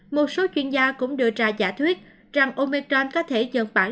một số chuyên gia cũng đưa ra giả thuyết rằng omecram có thể dần phản